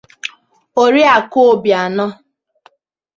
Oriakụ Obianọ.